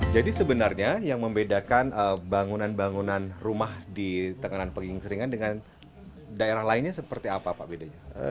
jadi sebenarnya yang membedakan bangunan bangunan rumah di tengganan peging seringan dengan daerah lainnya seperti apa